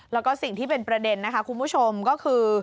แล้วก็สิ่งที่เป็นประเด็นนะคะคุณผู้ชมก็คือ